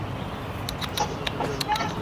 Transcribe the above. বসেন, কৃষ্ণকান্তজি আমি কিছু নিবো?